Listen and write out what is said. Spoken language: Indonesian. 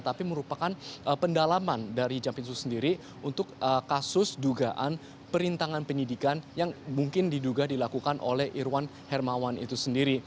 tapi merupakan pendalaman dari jaminsu sendiri untuk kasus dugaan perintangan penyidikan yang mungkin diduga dilakukan oleh irwan hermawan itu sendiri